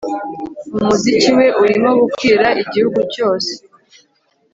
Umuziki we urimo gukwira igihugu cyose